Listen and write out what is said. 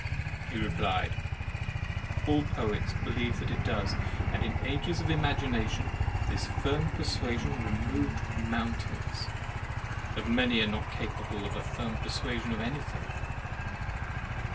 He replied: "All poets believe that 22 HEAVEN AND HELL it does, and in ages of imagination this firm persuasion removed moun tains; but many are not capable of a firm persuasion of anything."